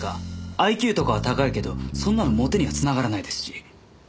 ＩＱとかは高いけどそんなのモテには繋がらないですし。